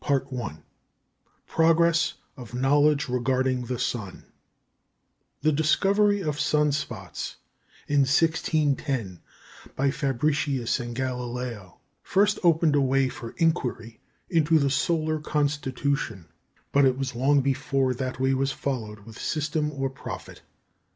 ] CHAPTER III PROGRESS OF KNOWLEDGE REGARDING THE SUN The discovery of sun spots in 1610 by Fabricius and Galileo first opened a way for inquiry into the solar constitution; but it was long before that way was followed with system or profit.